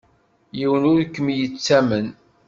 Yiwen ur kem-yettamen.